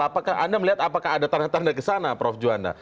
apakah anda melihat apakah ada tanda tanda kesana prof juwanda